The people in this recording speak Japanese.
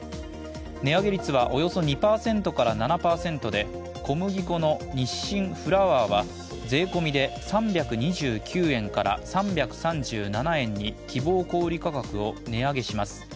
値上げ率はおよそ２％から７％で小麦粉の日清フラワーは税込みで３２９円から３３７円に希望小売価格を値上げします。